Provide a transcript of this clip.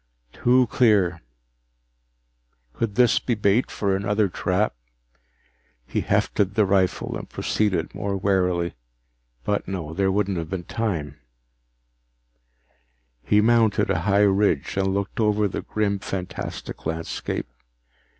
Too clear! Could this be bait for another trap? He hefted the rifle and proceeded more warily. But no, there wouldn't have been time He mounted a high ridge and looked over the grim, fantastic landscape.